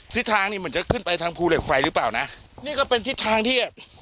ทิศทางนี่เหมือนจะขึ้นไปทางภูเหล็กไฟหรือเปล่านะนี่ก็เป็นทิศทางที่